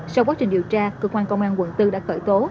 sau quá trình điều tra cơ quan công an quận bốn đã khởi tố